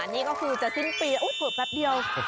นี่ก็คือจะชิ้นปีอุ๊ยเผื่อแป๊บเดียว